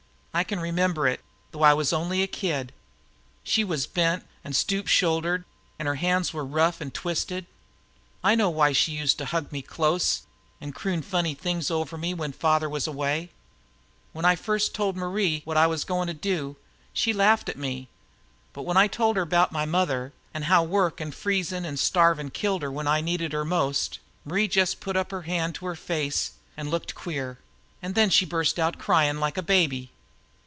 I can remember it, though I was only a kid. She was bent an' stoop shouldered, an' her hands were rough and twisted. I know now why she used to hug me up close and croon funny things over me when father was away. When I first told my Marie what I was goin' to do, she laughed at me; but when I told her 'bout my mother, an' how work an' freezin' an' starvin' killed her when I needed her most, Marie jest put her hand up to my face an' looked queer an' then she burst out crying like a baby.